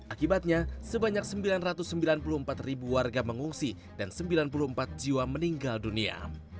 akibatnya sebanyak sembilan ratus sembilan puluh empat ribu warga mengungsi dan sembilan puluh empat jiwa meninggal dunia